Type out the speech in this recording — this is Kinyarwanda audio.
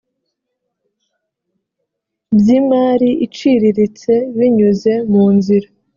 by’imari iciriritse binyuze mu nzira